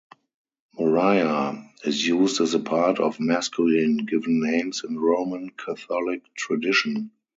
"Maria" is used as a part of masculine given names in Roman Catholic tradition.